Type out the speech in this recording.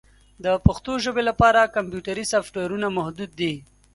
د پښتو ژبې لپاره کمپیوټري سافټویرونه محدود دي.